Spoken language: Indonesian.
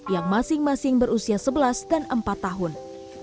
yang masing masing berusia sebelas dan empat tahun